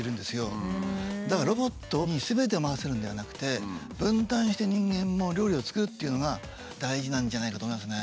だからロボットにすべてを任せるのではなくて分担して人間も料理を作るっていうのが大事なんじゃないかと思いますね。